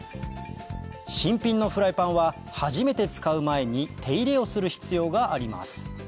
新品のフライパンは初めて使う前に手入れをする必要があります